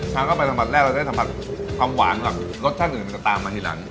ถ้าง็ออกไปสำหรับแรกก็จะได้สำหรับความหวานหรือแบบรสชาติอื่นจะตามมาทีลังก์